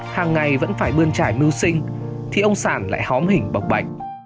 hàng ngày vẫn phải bươn trải mưu sinh thì ông sản lại hóm hình bọc bệnh